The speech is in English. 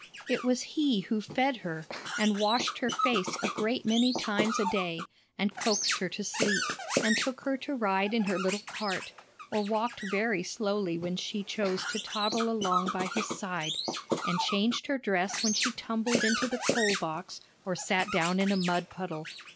It was he who fed her, and washed her face a great many times a day, and coaxed her to sleep, and took her to ride in her little cart, or walked very slowly when she chose to toddle along by his side, and changed her dress when she tumbled into the coal box or sat down in a mud puddle.